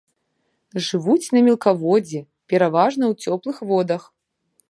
Жывуць на мелкаводдзі, пераважна ў цёплых водах.